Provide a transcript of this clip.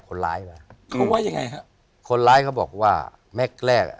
คนร้ายเขาบอกว่าแม็กซ์แรก